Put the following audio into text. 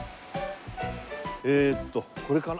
えーっとこれかな？